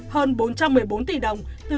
hơn bốn trăm một mươi bốn tỷ đồng từ công ty